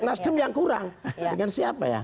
nasdem yang kurang dengan siapa ya